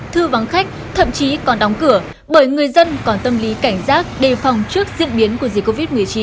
thư vắng khách thậm chí còn đóng cửa bởi người dân còn tâm lý cảnh giác đề phòng trước diễn biến của dịch covid một mươi chín